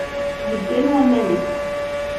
Heggan waman-is.